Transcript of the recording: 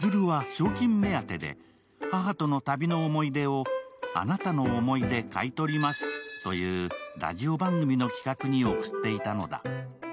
千鶴は賞金目当てで母との旅の思い出を「あなたの思い出買い取ります」というラジオ番組の企画に送っていたのだ。